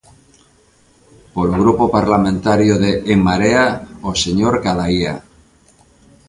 Polo Grupo Parlamentario de En Marea, o señor Cadaía.